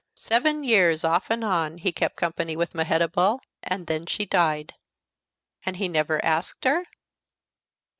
Seven years, off and on, he kept company with Mehetabel, and then she died." "And he never asked her?"